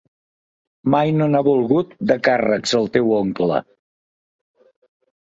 Mai no n'ha volgut, de càrrecs, el teu oncle.